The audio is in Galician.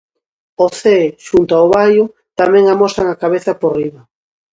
O Cee, xunto ao Baio, tamén amosan a cabeza por riba.